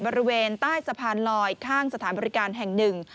บริเวณใต้สะพานลอยข้างสถานบริการแห่งหนึ่ง